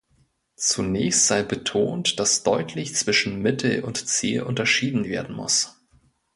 Zunächst sei betont, dass deutlich zwischen Mittel und Ziel unterschieden werden muss.